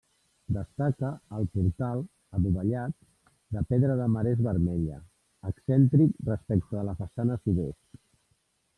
Destaca el portal, adovellat, de pedra de marès vermella, excèntric respecte de la façana sud-est.